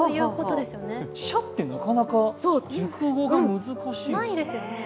舎ってなかなか、熟語が難しいよね